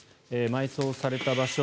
埋葬された場所